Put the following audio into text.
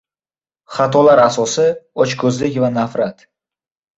• Xatolar asosi — ochko‘zlik va nafrat.